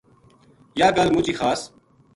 یاہ گل مُچ ہی خاص